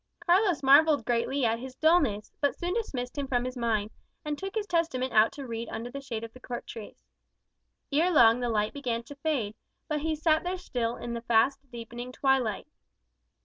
Carlos marvelled greatly at his dulness; but soon dismissed him from his mind, and took his Testament out to read under the shade of the cork trees. Ere long the light began to fade, but he sat there still in the fast deepening twilight.